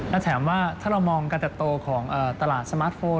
และแถมว่าถ้าเรามองการเติบโตของตลาดสมาร์ทโฟน